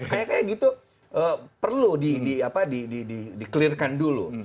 kayak kayak gitu perlu di clearkan dulu